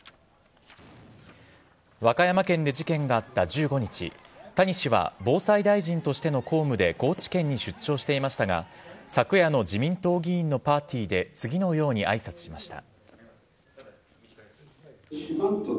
和歌山県で事件があった１５日谷氏は防災大臣としての公務で高知県に出張していましたが昨夜の自民党議員のパーティーで次のように挨拶しました。